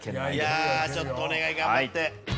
いやちょっとお願い頑張って。